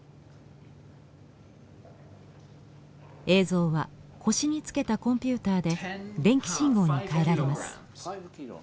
映像は腰につけたコンピューターで電気信号に変えられます。